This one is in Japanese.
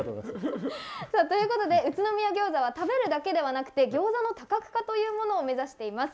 宇都宮餃子は食べるだけじゃなくて餃子の多角化というものを目指しています。